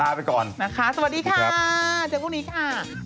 ไปก่อนนะคะสวัสดีค่ะเจอพรุ่งนี้ค่ะ